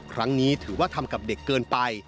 ครั้งนี้ถือว่าทำกับเด็กเกินไป